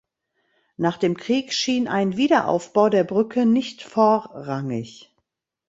Nach dem Krieg schien ein Wiederaufbau der Brücke nicht vorrangig.